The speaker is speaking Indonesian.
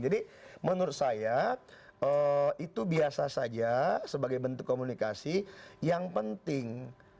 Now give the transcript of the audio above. jadi menurut saya itu biasa saja sebagai bentuk komunikasi yang penting